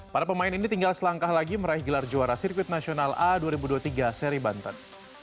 para pemain ini tinggal selangkah lagi meraih gelar juara sirkuit nasional a dua ribu dua puluh tiga seri banten